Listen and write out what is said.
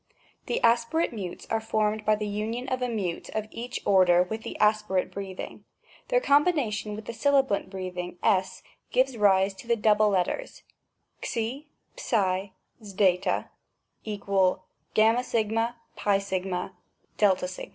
The aspirate mutes are formed by the union of a mute of each order with the aspirate breathing. Their combination with the sibilant breathing q gives rise to the double letters ^^ ifj^ ^,= yq, ng^ 8g.